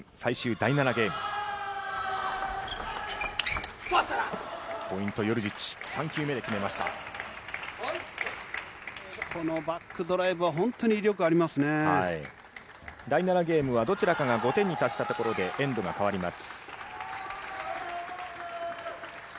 第７ゲームはどちらかが５点に達したところでエンドが変わります。